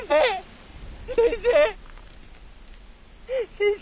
先生